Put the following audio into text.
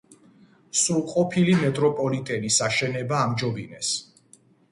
სრულყოფილი მეტროპოლიტენის აშენება ამჯობინეს.